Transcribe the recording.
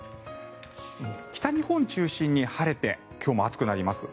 北日本中心に晴れて今日も暑くなります。